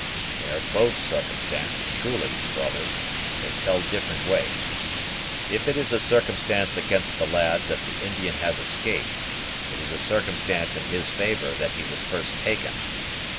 "They are both circumstances truly, brother; but they tell different ways. If it is a circumstance against the lad that the Indian has escaped, it is a circumstance in his favor that he was first taken."